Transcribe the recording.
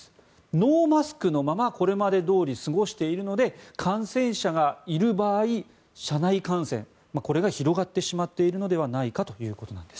ノーマスクのままこれまでどおり過ごしているので感染者がいる場合社内感染、これが広がってしまっているのではないかということなんです。